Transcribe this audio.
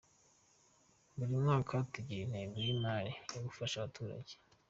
Buri mwaka tugira ingengo y’imari yo gufasha abaturage.